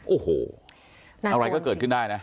โอ้โหอะไรก็เกิดขึ้นได้นะ